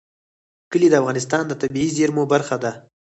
کلي د افغانستان د طبیعي زیرمو برخه ده.